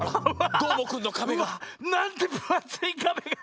どーもくんのかべが。なんてぶあついかべが！